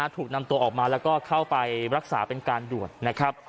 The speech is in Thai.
ถูกนำตัวออกมาแล้วก็เข้าไปรักษาเป็นการด่วนนะครับ